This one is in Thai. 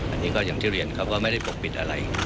อันนี้ก็อย่างที่เรียนเขาก็ไม่ได้ปกปิดอะไร